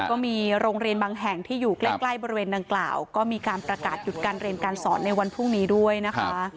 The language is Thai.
ก็มีโรงเรียนบางแห่งที่อยู่ใกล้บริเวณดังกล่าวก็มีการประกาศหยุดการเรียนการสอนในวันพรุ่งนี้ด้วยนะคะ